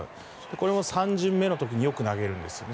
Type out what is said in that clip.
これも３巡目の時によく投げるんですよね。